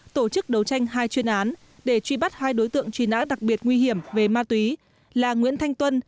tổ chức đấu tranh hai chuyên án để truy bắt hai đối tượng truy nã đặc biệt nguy hiểm về ma túy là nguyễn thanh tuân